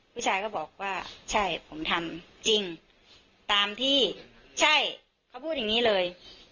ผู้ชายก็บอกว่าใช่ผมทำจริงตามที่ใช่เขาพูดอย่างนี้เลย